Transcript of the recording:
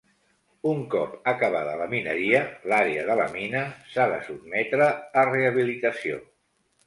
Un cop acabada la mineria, l'àrea de la mina s'ha de sotmetre a rehabilitació.